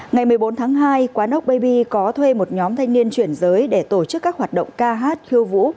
ngày một mươi bốn tháng hai quán ockebi có thuê một nhóm thanh niên chuyển giới để tổ chức các hoạt động ca hát khiêu vũ